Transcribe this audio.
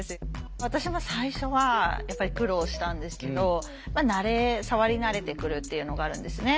私も最初はやっぱり苦労したんですけど慣れ触り慣れてくるっていうのがあるんですね。